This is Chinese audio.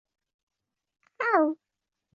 杨贤为台湾明郑时期中末期的文臣。